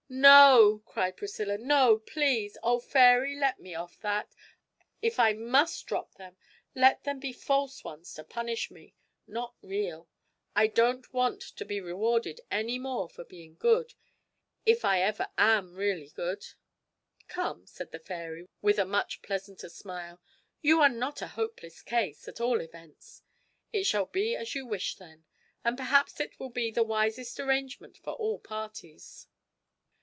'No!' cried Priscilla, 'no, please! Oh, fairy, let me off that! If I must drop them, let them be false ones to punish me not real. I don't want to be rewarded any more for being good if I ever am really good!' 'Come,' said the fairy, with a much pleasanter smile, 'you are not a hopeless case, at all events. It shall be as you wish, then, and perhaps it will be the wisest arrangement for all parties.